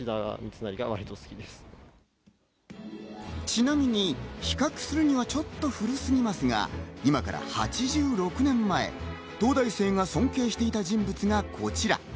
ちなみに比較するにはちょっと古すぎますが、今から８６年前、東大生が尊敬していた人物がこちら。